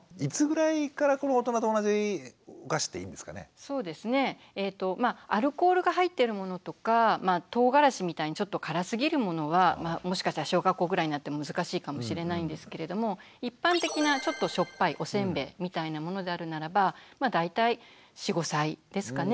そうですねアルコールが入ってるものとかとうがらしみたいにちょっと辛すぎるものはもしかしたら小学校ぐらいになっても難しいかもしれないんですけれども一般的なちょっとしょっぱいおせんべいみたいなものであるならば大体４５歳ですかね